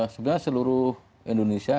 sebenarnya seluruh indonesia